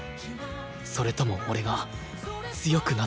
それとも俺が強くなったからか